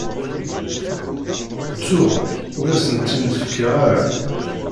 Ttuɣ, ur asen-tt-in-fkiɣ ara.